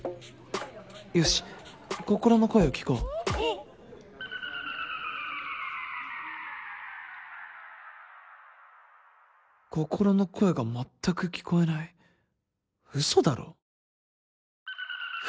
よし心の声を聞こう心の声が全く聞こえないウソだろ？